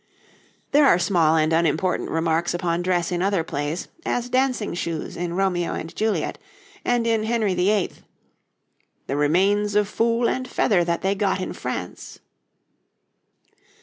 There are small and unimportant remarks upon dress in other plays, as dancing shoes in 'Romeo and Juliet' and in 'Henry VIII.': 'The remains of fool and feather that they got in France.'